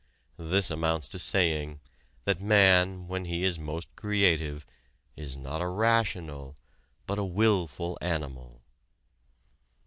This amounts to saying that man when he is most creative is not a rational, but a wilful animal.